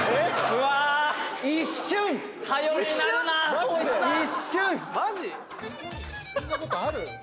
そんなことある？